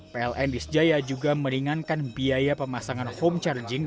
pln disjaya juga meringankan biaya pemasangan home charging